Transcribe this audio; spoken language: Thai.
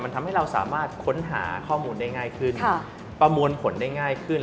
ทำให้เราสามารถค้นหาข้อมูลได้ง่ายขึ้นประมวลผลได้ง่ายขึ้น